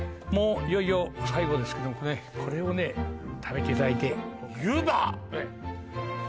もういよいよ最後ですけどもねこれを食べていただいてゆば！